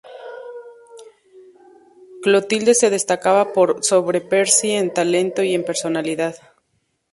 Clotilde se destacaba por sobre Percy en talento y en personalidad.